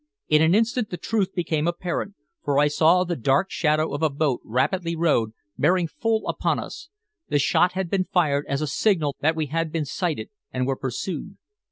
In an instant the truth became apparent, for I saw the dark shadow of a boat rapidly rowed, bearing full upon us. The shot had been fired as a signal that we had been sighted, and were pursued.